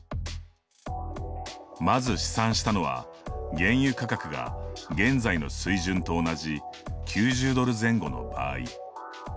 まず試算したのは原油価格が現在の水準と同じ９０ドル前後の場合。